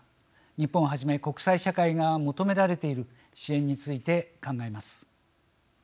日本をはじめ国際社会が求められている支援について考えます。